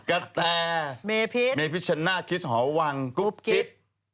กะแท่เมพิชชนะคริสต์หอวังกุ๊บกิ๊บ